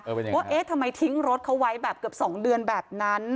เออเป็นยังไงครับว่าเอ๊ะทำไมทิ้งรถเขาไว้แบบเกือบสองเดือนแบบนั้น